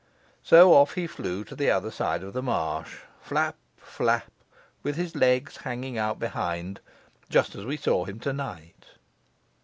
So off he flew to the other side of the marsh, flap, flap, with his legs hanging out behind, just as we saw him to night.